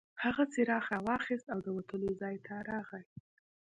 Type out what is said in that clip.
هغه څراغ راواخیست او د وتلو ځای ته راغی.